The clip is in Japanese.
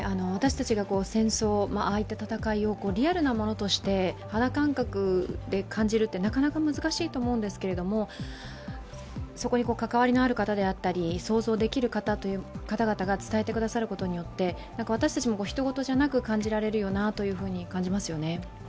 私たちが戦争、ああいった戦いをリアルなものとして肌感覚で感じるってなかなか難しいと思うんですけれどもそこに関わりのある方であったり想像できる方が伝えてくださることによって私たちもひと事じゃなく感じられますよね。